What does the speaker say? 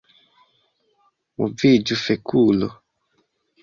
Moviĝu fekulo